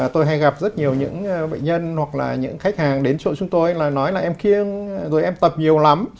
tôi hay gặp rất nhiều những bệnh nhân hoặc là những khách hàng đến chỗ chúng tôi là nói là em kia rồi em tập nhiều lắm